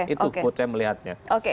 itu put saya melihatnya